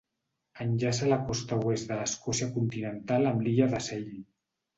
Enllaça la costa oest de l'Escòcia continental amb l'illa de Seil.